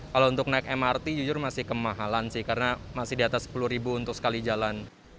kalau untuk naik mrt jujur masih kemahalan sih karena masih di atas sepuluh ribu untuk sekali jalan